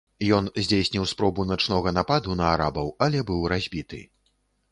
Ён здзейсніў спробу начнога нападу на арабаў, але быў разбіты.